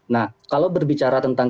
nah kalau berbicara tentang